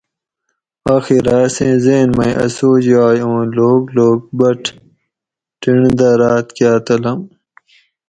آخیرہ اسیں ذھن مئ اۤ سوچ یائ اوں لوک لوک بٹ ٹینڈ دہ راۤت کا تلم